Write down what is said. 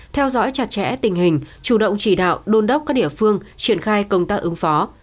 theo dõi chặt chẽ tình hình chủ động chỉ đạo đôn đốc các địa phương triển khai công tác ứng phó